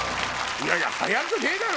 いやいや早くねえだろ！